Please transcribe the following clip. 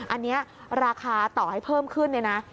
อันนี้ราคาต่อให้เพิ่มขึ้นเนี่ยนะ